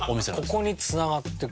ここに繋がってくると。